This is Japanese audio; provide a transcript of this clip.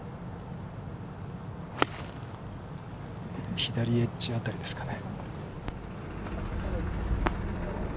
左エッジあたりですかね。